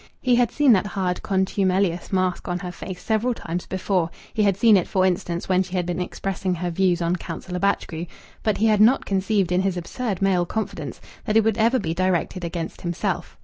He had seen that hard, contumelious mask on her face several times before; he had seen it, for instance, when she had been expressing her views on Councillor Batchgrew; but he had not conceived, in his absurd male confidence, that it would ever be directed against himself.